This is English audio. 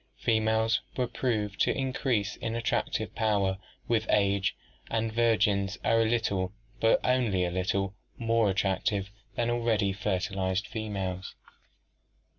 Females were proved to increase in attractive power with age, and virgins are a little, but only a little, more attractive than already fertilized females.